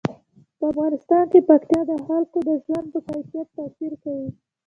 په افغانستان کې پکتیا د خلکو د ژوند په کیفیت تاثیر کوي.